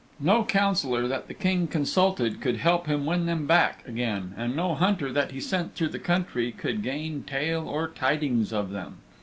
No councillor that the King consulted could help to win them back again, and no hunter that he sent through the country could gain tale or tidings of them.